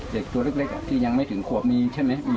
เด็กตัวเล็กที่ยังไม่ถึงขวบมีใช่ไหม